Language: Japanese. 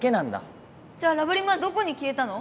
じゃあラブリムはどこにきえたの？